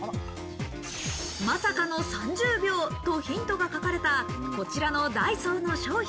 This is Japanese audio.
まさかの３０秒とヒントが書かれた、こちらのダイソーの商品。